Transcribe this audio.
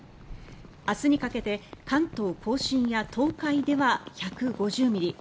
明日にかけて関東・甲信や東海では１５０ミリ。